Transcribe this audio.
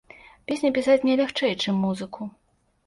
Песні пісаць мне лягчэй, чым музыку.